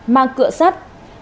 mang cựa sắt